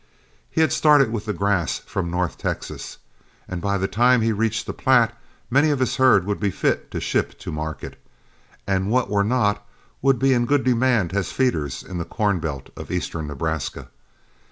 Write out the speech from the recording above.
He had started with the grass from north Texas, and by the time he reached the Platte, many of his herd would be fit to ship to market, and what were not would be in good demand as feeders in the corn belt of eastern Nebraska.